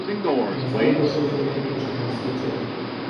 امضای پشت چک، پشت نویسی چک